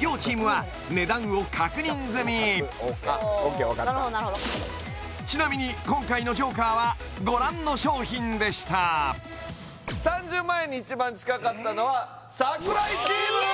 両チームは値段を確認済みＯＫわかったちなみに今回のＪＯＫＥＲはご覧の商品でした３０万円に一番近かったのは櫻井チーム！